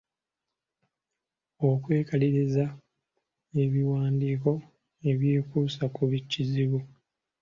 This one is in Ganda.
Okwekaliriza ebiwandiiko ebyekuusa ku kizibu.